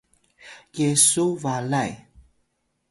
yesuw balay